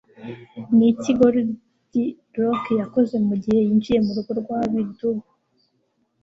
Niki Goldilock Yakoze Mugihe Yinjiye Murugo Rwa Bidubu